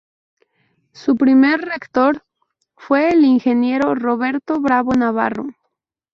Su primer rector fue el ingeniero Roberto Bravo Navarro.